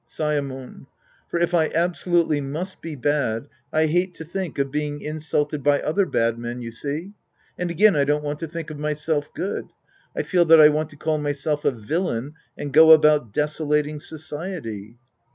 Saemon. For if I absolutely must be bad, I hate to think of being insulted by other bad men, you see. And again I don't want to tliink myself good. I feel that I want to call myself a villain and go about desolating society.